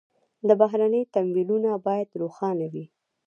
بهرني تمویلونه باید روښانه وي.